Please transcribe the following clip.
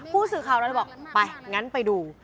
ผู้สื่อข่าวเราเลยบอกไปงั้นไปดู